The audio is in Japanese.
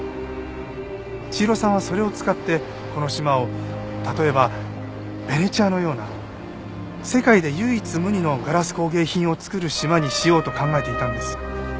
千尋さんはそれを使ってこの島を例えばベネチアのような世界で唯一無二のガラス工芸品を作る島にしようと考えていたんです。